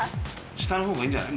下の方がいいんじゃない？